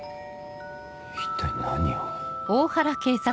一体何を。